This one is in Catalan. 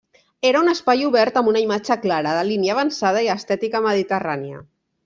Era un espai obert amb una imatge clara, de línia avançada i estètica mediterrània.